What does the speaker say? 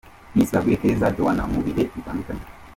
Miss Bagwire Keza Joannah mu bihe bitandukanye.